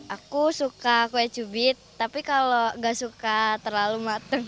aku suka kue cubit tapi kalau gak suka terlalu mateng